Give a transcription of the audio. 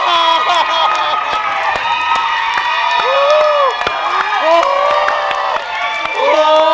โอ้โห